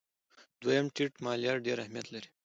دویم: ټیټ مالیات ډېر اهمیت لري.